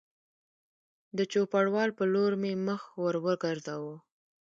د چوپړوال په لور مې مخ ور وګرځاوه